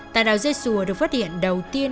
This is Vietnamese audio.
tại đảo dê sùa được phát hiện đầu tiên